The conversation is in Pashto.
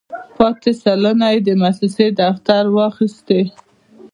پاتې سلنه یې د موسسې دفتر واخیستې.